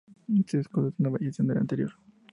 Este escudo es una variación del anterior.